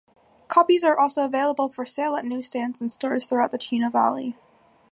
Copies are also available for sale at newsstands and stores throughout the Chino Valley.